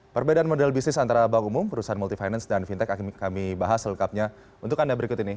perbedaan model bisnis antara bank umum perusahaan multi finance dan fintech kami bahas selengkapnya untuk anda berikut ini